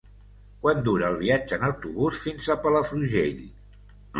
Quant dura el viatge en autobús fins a Palafrugell?